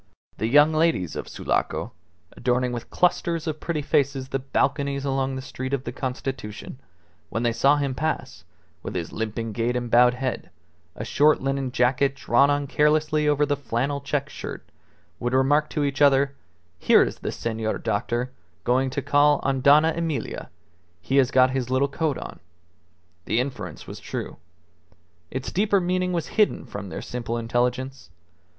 The young ladies of Sulaco, adorning with clusters of pretty faces the balconies along the Street of the Constitution, when they saw him pass, with his limping gait and bowed head, a short linen jacket drawn on carelessly over the flannel check shirt, would remark to each other, "Here is the Senor doctor going to call on Dona Emilia. He has got his little coat on." The inference was true. Its deeper meaning was hidden from their simple intelligence.